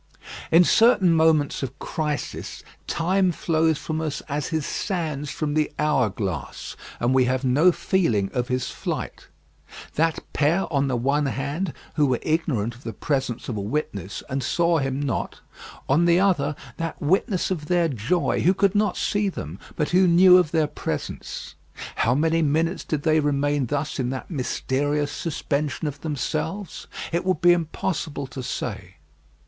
In certain moments of crisis, time flows from us as his sands from the hour glass, and we have no feeling of his flight. That pair on the one hand, who were ignorant of the presence of a witness, and saw him not; on the other, that witness of their joy who could not see them, but who knew of their presence how many minutes did they remain thus in that mysterious suspension of themselves? It would be impossible to say.